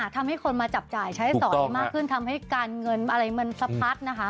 ทำให้คนมาจับจ่ายใช้สอยมากขึ้นทำให้การเงินอะไรมันสะพัดนะคะ